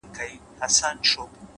د حوصلې ځواک اوږده لارې لنډوي؛